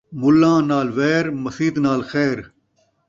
ملّاں نال ویر ، مسیت نال خیر